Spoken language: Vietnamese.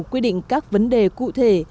quy định các vấn đề cụ thể